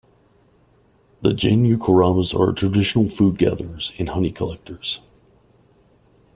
The Jenu Kurubas are traditional food gatherers and honey collectors.